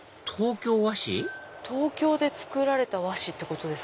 東京で作られた和紙ってこと？